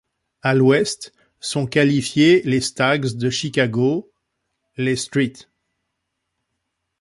À l'Ouest sont qualifiés les Stags de Chicago, les St.